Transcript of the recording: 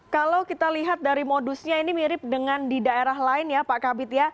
kalau kita lihat dari modusnya ini mirip dengan di daerah lain ya pak kabit ya